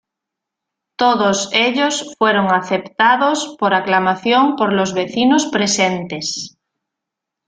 Todos ellos fueron aceptados por aclamación por los vecinos presentes.